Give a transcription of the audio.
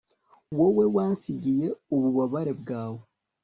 Wowe wansigiye ububabare bwawe